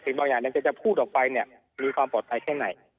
บางอย่างแกจะพูดออกไปเนี่ยมีความปลอดภัยแค่ไหน